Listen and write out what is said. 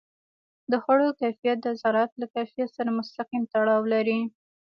د خوړو کیفیت د زراعت له کیفیت سره مستقیم تړاو لري.